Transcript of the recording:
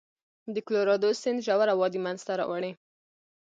د کلورادو سیند ژوره وادي منځته راوړي.